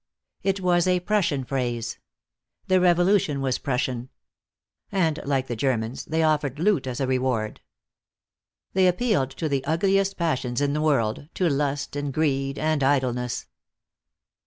It was a Prussian phrase. The revolution was Prussian. And like the Germans, they offered loot as a reward. They appealed to the ugliest passions in the world, to lust and greed and idleness.